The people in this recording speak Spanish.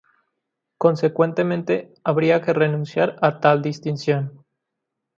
Consecuentemente, habría que renunciar a tal distinción.